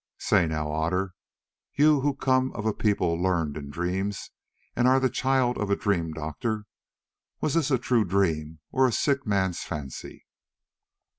Say now, Otter, you who come of a people learned in dreams and are the child of a dream doctor, was this a true dream or a sick man's fancy?"